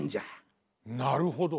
なるほど。